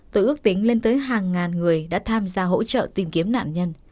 từ ước tính lên tới hàng ngàn người đã tham gia hỗ trợ tìm kiếm nạn nhân